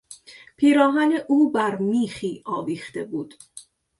پیراهن او بر میخی آویخته بود.